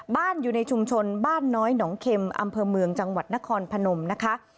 อยู่ในชุมชนบ้านน้อยหนองเข็มอำเภอเมืองจังหวัดนครพนมนะคะ